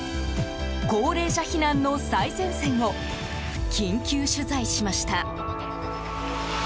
高齢者避難の最前線を緊急取材しました。